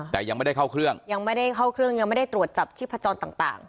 แต่ยังไม่ได้เข้าเครื่องยังไม่ได้เข้าเครื่องยังไม่ได้ตรวจจับชีพจรต่าง